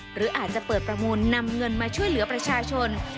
หรืออาจจะเปิดประมูลนำเงินมาช่วยเหลือประชาชน